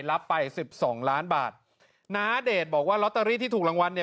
รับไปสิบสองล้านบาทน้าเดชบอกว่าลอตเตอรี่ที่ถูกรางวัลเนี่ย